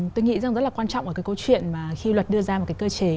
tôi nghĩ rằng rất là quan trọng ở cái câu chuyện mà khi luật đưa ra một cái cơ chế